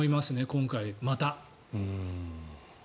今回、また。